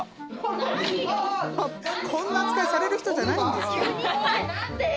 「こんな扱いされる人じゃないんですよ」